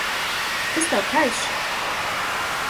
Kas tev kaiš?